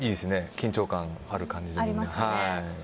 緊張感ある感じですね。